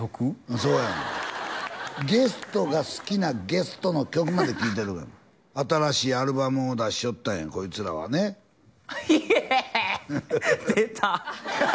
そうやんゲストが好きなゲストの曲まで聴いてるがな新しいアルバムを出しおったんやコイツらはねイエー出たハハハ